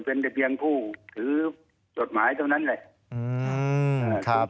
เป็นแต่เพียงผู้ถือจดหมายเท่านั้นแหละ